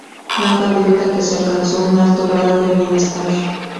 No cabe duda que se alcanzó un alto grado de bienestar.